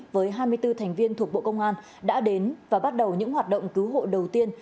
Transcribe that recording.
với hai mươi bốn thành viên thuộc bộ công an đã đến và bắt đầu những hoạt động cứu hộ đầu tiên